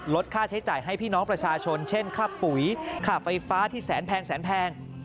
ค่าใช้จ่ายให้พี่น้องประชาชนเช่นค่าปุ๋ยค่าไฟฟ้าที่แสนแพงแสนแพง